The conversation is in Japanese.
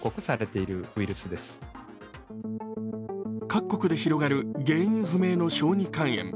各国で広がる原因不明の小児肝炎。